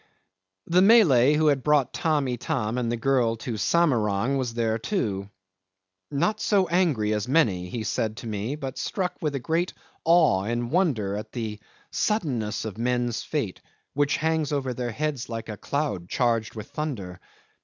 'The Malay who had brought Tamb' Itam and the girl to Samarang was there too. "Not so angry as many," he said to me, but struck with a great awe and wonder at the "suddenness of men's fate, which hangs over their heads like a cloud charged with thunder."